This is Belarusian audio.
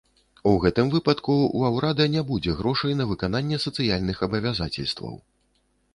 У гэтым выпадку ва ўрада не будзе грошай на выкананне сацыяльных абавязацельстваў.